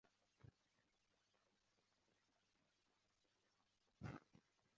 Anaendelea kuishi huko Dar es Salaam.